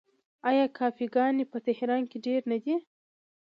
آیا کافې ګانې په تهران کې ډیرې نه دي؟